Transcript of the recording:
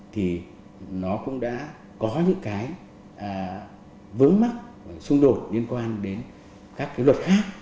thì nó cũng đã có những cái vướng mắc xung đột liên quan đến các cái luật khác